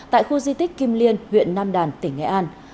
tại khu di tích kim liên huyện nam đàn tỉnh nghệ an